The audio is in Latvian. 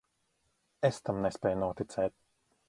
Es tam nespēju noticēt.